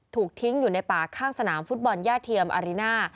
ถูกทิ้งอยู่ในป่าข้างสนามฟุตบอลย่าเทียมอาริน่า